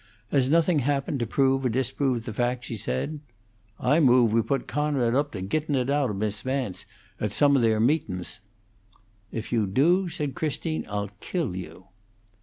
As nothing happened to prove or to disprove the fact, she said, "I move we put Coonrod up to gittun' it out of Miss Vance, at some of their meetun's." "If you do," said Christine, "I'll kill you."